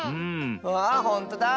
わあほんとだ！